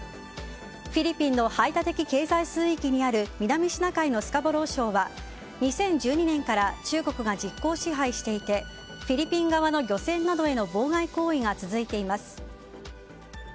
フィリピンの排他的経済水域にある南シナ海のスカボロー礁は２０１２年から中国が実効支配していてフィリピン側の漁船などへの妨害行為が続いています。